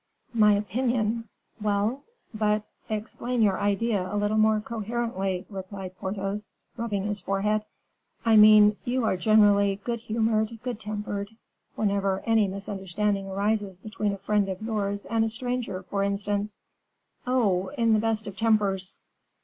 "My opinion! Well but Explain your idea a little more coherently," replied Porthos, rubbing his forehead. "I mean you are generally good humored, good tempered, whenever any misunderstanding arises between a friend of yours and a stranger, for instance?" "Oh! in the best of tempers."